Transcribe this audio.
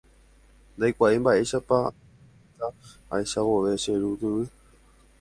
ndaikuaái mba'éichapa aipyhýta ahecha vove che ru tyvy